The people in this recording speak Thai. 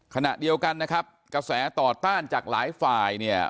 ขณะเดียวกันนะครับกระแสต่อต้านจากหลายฝ่ายเนี่ย